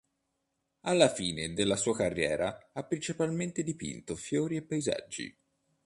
Alla fine della sua carriera ha principalmente dipinto fiori e paesaggi.